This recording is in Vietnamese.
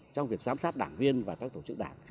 trong việc giám sát đảng viên và các tổ chức đảng